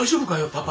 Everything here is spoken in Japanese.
パパ。